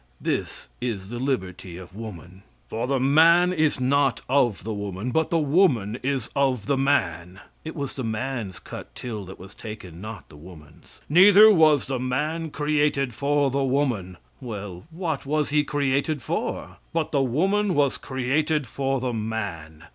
This is the liberty of woman. "For the man is not of the woman, but the woman is of the man." It was the man's cut till that was taken, not the woman's. "Neither was the man created for the woman." Well, what was he created for? "But the woman was created for the man.